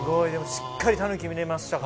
しっかりタヌキ見れましたから。